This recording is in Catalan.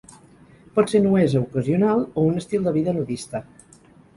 Pot ser nuesa ocasional o un estil de vida nudista.